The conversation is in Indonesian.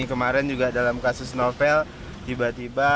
kemarin juga dalam kasus novel tiba tiba